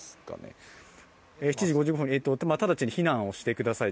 ７時５０分、直ちに避難をしてください